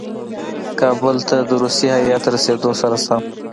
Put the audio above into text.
کابل ته د روسي هیات رسېدلو سره سم.